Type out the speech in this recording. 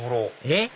えっ？